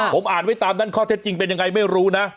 ผมอ่านไว้ตามนั้นข้อเท็จจริงเป็นยังไงไม่รู้นะ